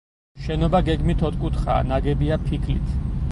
შენობა გეგმით ოთხკუთხაა, ნაგებია ფიქლით.